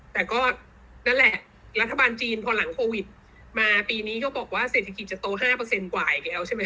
แต่ก็นั่นแหละรัฐบาลจีนพอหลังโควิดมาปีนี้เขาบอกว่าเศรษฐกิจจะโต๕กว่าอีกแล้วใช่ไหมค